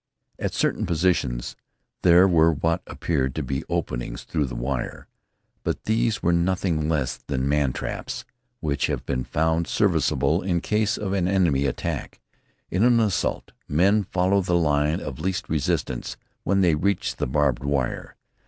At certain positions there were what appeared to be openings through the wire, but these were nothing less than man traps which have been found serviceable in case of an enemy attack. In an assault men follow the line of least resistance when they reach the barbed wire.